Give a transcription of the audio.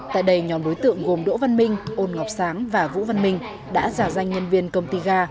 tại đây nhóm đối tượng gồm đỗ văn minh ôn ngọc sáng và vũ văn minh đã giả danh nhân viên công ty ga